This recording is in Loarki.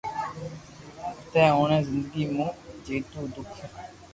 ھتي اوڻي زندگي مون جيتو دوک